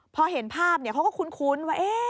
พอเห็นภาพเขาก็คุ้นว่า